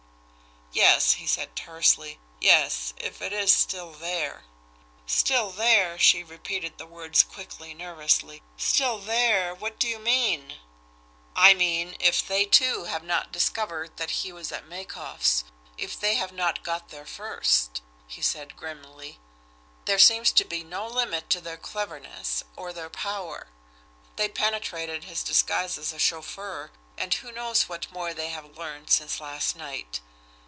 "Yes," he said tersely. "Yes if it is still there." "Still there!" she repeated the words quickly, nervously. "Still there! What do you mean?" "I mean if they, too, have not discovered that he was at Makoff's if they have not got there first!" he said grimly. "There seems to be no limit to their cleverness, or their power. They penetrated his disguise as a chauffeur, and who knows what more they have learned since last night?